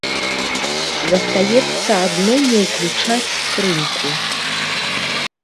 Застаецца адно не ўключаць скрынку.